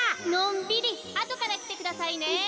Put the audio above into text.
のんびりあとからきてくださいね。